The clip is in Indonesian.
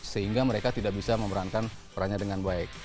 sehingga mereka tidak bisa memerankan perannya dengan baik